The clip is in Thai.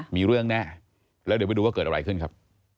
มีเรื่องแน่แล้วเดี๋ยวไปดูว่าเกิดอะไรขึ้นครับ